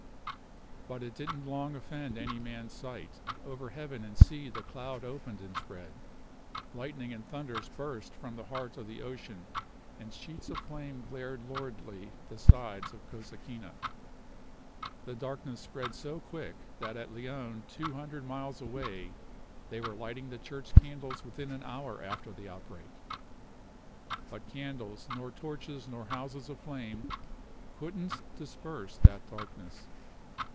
"But it didn't long offend any man's sight over heaven and sea the cloud opened and spread. Lightning and thunders burst from the heart of the ocean, and sheets of flame glared luridly the sides of Cosequina. The darkness spread so quick, that at Leon, two hundred miles away, they were lighting the church candles within an hour after the outbreak. But candles, nor torches, nor houses aflame couldn't disperse that darkness.